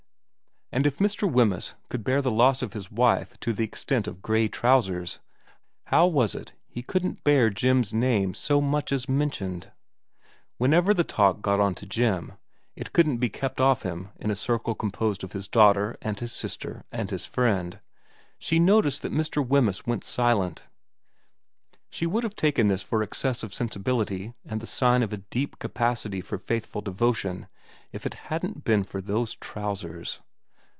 And if Mr. Wemyss could bear the loss of his wife to 72 VERA vu the extent of grey trousers, how was it he couldn't bear Jim's name so much as mentioned ? Whenever the talk got on to Jim it couldn't be kept off him in a circle composed of his daughter and his sister and his friend she noticed that Mr. Wemyss went silent. She would have taken this for excess of sensibility and the sign of a deep capacity for faithful devotion if it hadn't been for those trousers.